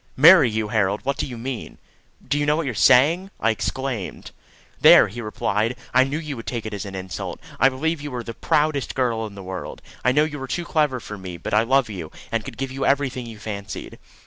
"Marry you, Harold! What do you mean? Do you know what you are saying?" I exclaimed. "There!" he replied: "I knew you would take it as an insult. I believe you are the proudest girl in the world. I know you are too clever for me; but I love you, and could give you everything you fancied."